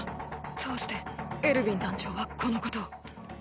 どうしてエルヴィン団長はこのことを。